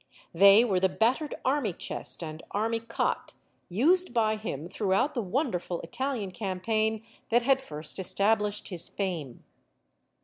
They were the battered army chest and army cot used by him throughout the wonderful Italian campaign that had first established his fame.